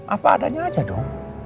apa adanya aja dong